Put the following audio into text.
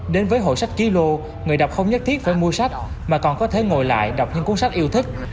đến với hội sách ký lô người đọc không nhất thiết phải mua sách mà còn có thể ngồi lại đọc những cuốn sách yêu thích